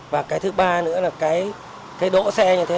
và cái thứ ba nữa là cái đỗ xe như thế